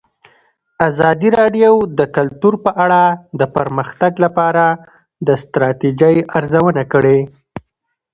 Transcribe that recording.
ازادي راډیو د کلتور په اړه د پرمختګ لپاره د ستراتیژۍ ارزونه کړې.